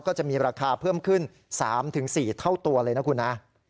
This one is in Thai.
ก็จะมีราคาเพิ่มขึ้น๓๔เท่าตัวเลยนะคุณฮะ